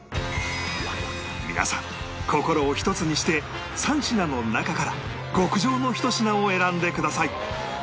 皆さん心をひとつにして３品の中から極上のひと品を選んでください